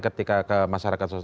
ketika ke masyarakat